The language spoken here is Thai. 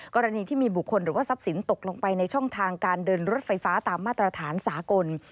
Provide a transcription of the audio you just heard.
กรณีที่มีบุคคลหรือว่าทรัพย์สินตกลงไปในช่องทางการเดินรถไฟฟ้าตามมาตรฐานสากล